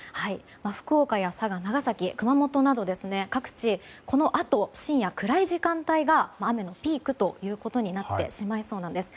福岡や佐賀、長崎、熊本など各地、このあと深夜暗い時間帯が雨のピークということになってしまいそうなんです。